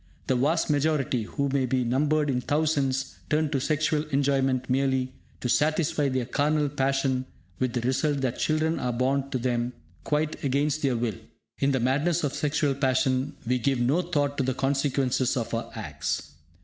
The vast majority, who may be numbered in thousands, turn to sexual enjoyment merely to satisfy their carnal passion, with the result that children are born to them quite against their will. In the madness of sexual passion, we give no thought to the consequences of our acts.